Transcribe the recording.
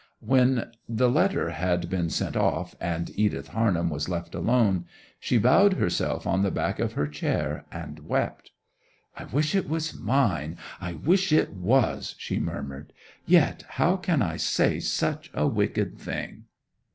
When the letter had been sent off, and Edith Harnham was left alone, she bowed herself on the back of her chair and wept. 'I wish it was mine—I wish it was!' she murmured. 'Yet how can I say such a wicked thing!